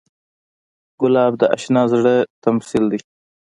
ګلاب د اشنا زړه تمثیل دی.